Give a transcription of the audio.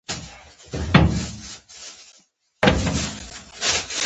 خټکی طبیعي خوند لري.